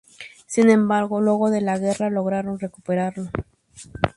Sin embargo, luego de la guerra lograron recuperarlo.